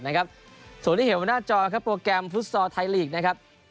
ส่วนที่เห็นบนหน้าจอครับโปรแกรมฟุตซอร์ไทยลีกนะครับ